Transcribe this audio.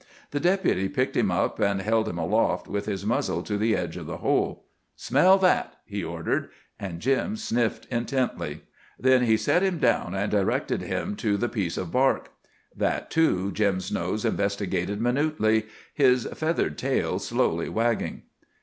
The Deputy picked him up, and held him aloft with his muzzle to the edges of the hole. "Smell that," he ordered, and Jim sniffed intently. Then he set him down and directed him to the piece of bark. That, too, Jim's nose investigated minutely, his feathered tail slowly wagging.